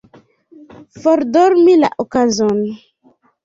Fordormi la okazon.